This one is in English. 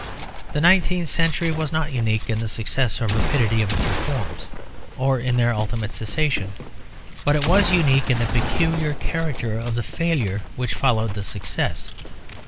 The nineteenth century was not unique in the success or rapidity of its reforms or in their ultimate cessation; but it was unique in the peculiar character of the failure which followed the success.